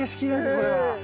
これは。